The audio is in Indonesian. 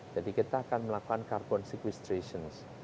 jadi kita akan melakukan carbon sequestration